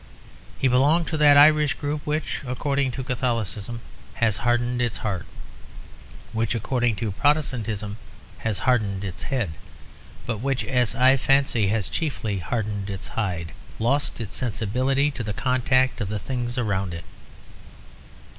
He belonged to that Irish group which, according to Catholicism, has hardened its heart, which, according to Protestantism has hardened its head, but which, as I fancy, has chiefly hardened its hide, lost its sensibility to the contact of the things around it.